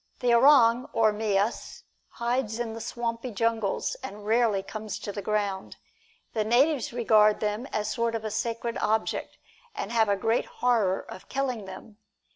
The orang, or mias, hides in the swampy jungles, and very rarely comes to the ground. The natives regard them as a sort of sacred object, and have a great horror of killing them.